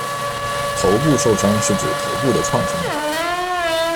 头部受伤是指头部的创伤。